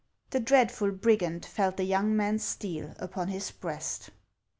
The dreadful brigand felt the young man's steel upon his breast.